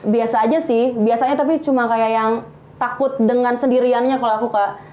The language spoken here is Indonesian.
biasa aja sih biasanya tapi cuma kayak yang takut dengan sendiriannya kalau aku kayak